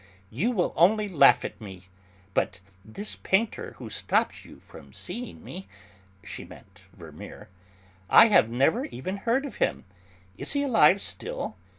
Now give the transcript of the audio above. "You will only laugh at me, but this painter who stops you from seeing me," she meant Vermeer, "I have never even heard of him; is he alive still?